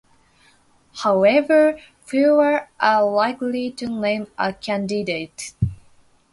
However, fewer are likely to name a candidate.